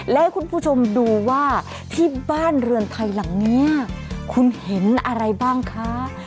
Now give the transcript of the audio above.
และให้คุณผู้ชมดูว่าที่บ้านเรือนไทยหลังนี้คุณเห็นอะไรบ้างคะ